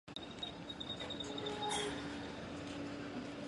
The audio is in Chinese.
司令部设在德州的胡德堡。